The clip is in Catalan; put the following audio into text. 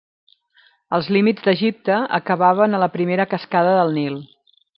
Els límits d'Egipte acabaven a la primera cascada del Nil.